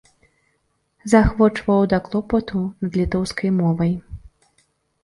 Заахвочваў да клопату над літоўскай мовай.